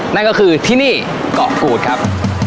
นั่นก็คือที่นี่เกาะกูดครับ